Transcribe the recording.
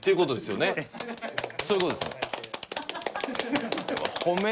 そういう事です？